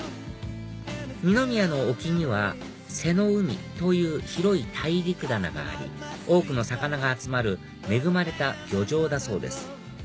二宮の沖には瀬の海という広い大陸棚があり多くの魚が集まる恵まれた漁場だそうです